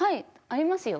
ありますよ。